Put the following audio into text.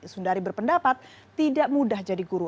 sundari berpendapat tidak mudah jadi guru